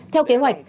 theo kế hoạch